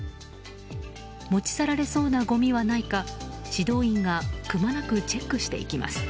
持ち去られそうなごみはないか指導員がくまなくチェックしていきます。